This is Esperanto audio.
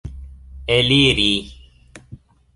eliri